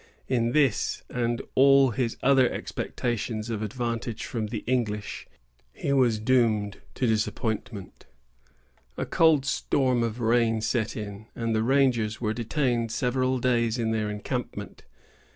In this, and all his other expectations of advantage from the English, he was doomed to disappointment. A cold storm of rain set in, and the rangers were detained several days in their encampment.